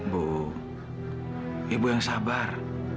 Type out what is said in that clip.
bu ibu yang sabar